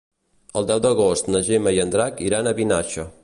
El deu d'agost na Gemma i en Drac iran a Vinaixa.